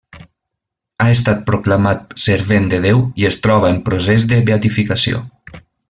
Ha estat proclamat servent de Déu i es troba en procés de beatificació.